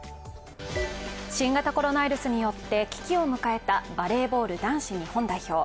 新型コロナウイルスによって危機を迎えたバレーボール男子日本代表。